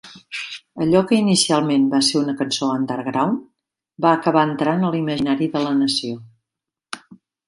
Allò que inicialment va ser una cançó "underground", va acabar entrant a l'imaginari de la nació!